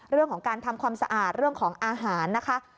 เรื่องของการทำความสะอาดเรื่องของอาหารนะคะ